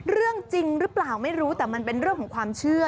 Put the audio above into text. เรื่องจริงหรือเปล่าไม่รู้แต่มันเป็นเรื่องของความเชื่อ